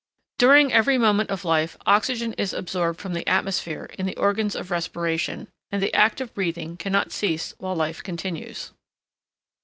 During every moment of life, oxygen is absorbed from the atmosphere in the organs of respiration, and the act of breathing cannot cease while life continues.